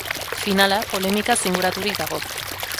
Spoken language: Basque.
Finala polemikaz inguraturik dago.